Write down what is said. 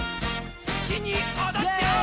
すきにおどっちゃおう！